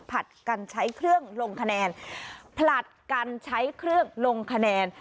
ผลัดกันใช้เครื่องลงคะแนนผลัดกันใช้เครื่องลงคะแนน